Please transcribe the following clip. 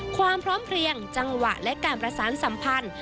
ความพร้อมเพลียงจังหวะและการประสานสัมพันธ์